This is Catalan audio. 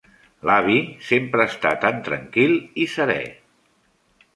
L'avi sempre està tan tranquil i serè.